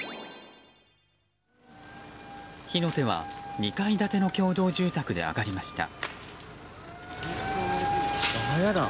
火の手は２階建ての共同住宅で上がりました。